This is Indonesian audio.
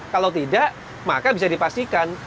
kalau tidak maka bisa dipastikan